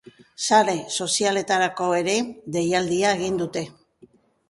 Sare sozialetarako ere deialdia egin dute.